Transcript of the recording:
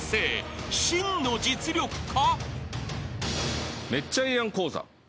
［真の実力か？］